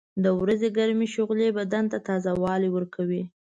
• د ورځې ګرمې شغلې بدن ته تازهوالی ورکوي.